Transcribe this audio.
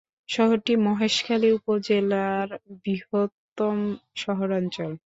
শহরটি মহেশখালী উপজেলার বৃহত্তম শহরাঞ্চল।